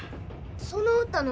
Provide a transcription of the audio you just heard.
その歌何？